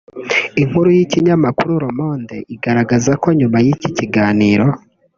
Inkuru y’ikinyamakuru Le Monde igaragaza ko nyuma y’iki kiganiro